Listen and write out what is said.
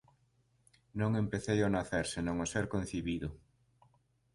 Non empecei ó nacer senón ó ser concibido.